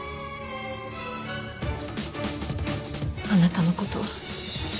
あなたのこと。